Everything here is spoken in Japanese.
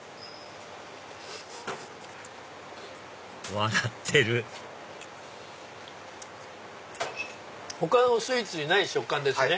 笑ってる他のスイーツにない食感ですね